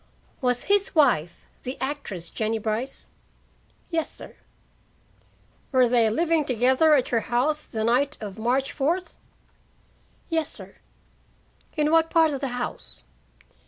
"Was his wife the actress, Jennie Brice?" "Yes, sir." "Were they living together at your house the night of March fourth?" "Yes, sir." "In what part of the house?"